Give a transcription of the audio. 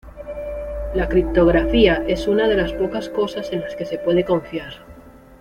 la criptografía es una de las pocas cosas en las que se puede confiar